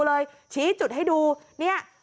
เลยไปถ่ายแบบนี้